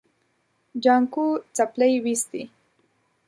جانکو څپلۍ وېستې.